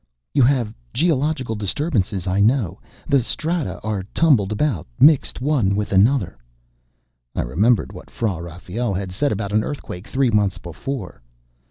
"You have geological disturbances, I know. The strata are tumbled about, mixed one with another " I remembered what Fra Rafael had said about an earthquake, three months before.